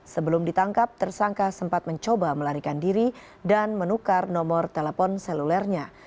sebelum ditangkap tersangka sempat mencoba melarikan diri dan menukar nomor telepon selulernya